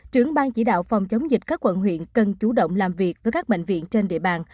trưởng ban chỉ đạo phòng chống dịch các quận huyện cần chủ động làm việc với các bệnh viện trên địa bàn